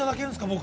僕。